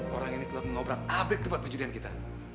orang ini telah mengobrak pabrik tempat perjudian kita